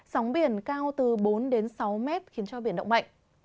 sóng biển cao từ bốn đến sáu mét khiến cho biển động mạnh